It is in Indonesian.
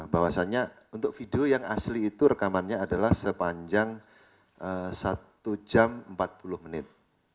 bahwasannya untuk video yang asli itu rekamannya adalah sepanjang satu jam empat puluh menit